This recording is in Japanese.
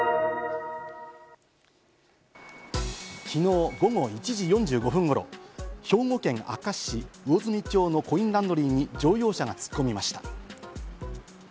昨日午後１時４５分頃、兵庫県明石市魚住町のコインランドリーに乗用車が突っ込みました。